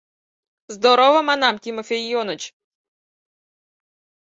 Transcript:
— Здорово, — манам, — Тимофей Ионыч!